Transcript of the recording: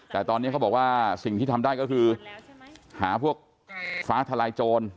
แต่ตอนนี้เขาบอกว่าสิ่งที่ทำได้ก็คือหาพวกฟ้าทลายโจร